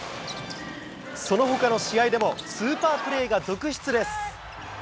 そのほかの試合でもスーパープレーが続出です。